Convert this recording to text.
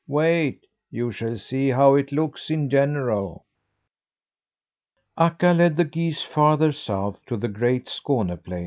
Wait! You shall see how it looks in general." Akka led the geese farther south to the great Skåne plain.